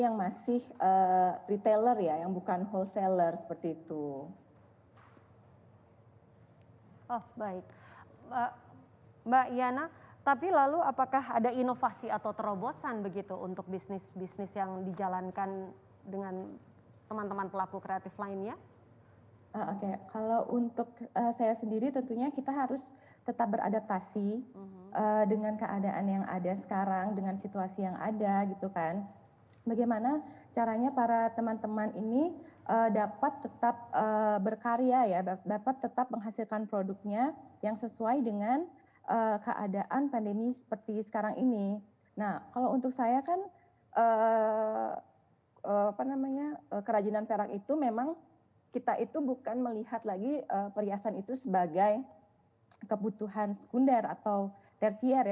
nah kalau untuk saya kan kerajinan perak itu memang kita itu bukan melihat lagi perhiasan itu sebagai kebutuhan sekunder atau tersier